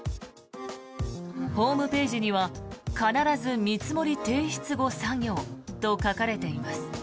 ホームページには必ず見積もり提出後作業と書かれています。